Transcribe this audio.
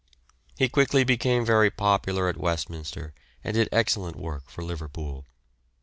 He quickly became very popular at Westminster and did excellent work for Liverpool.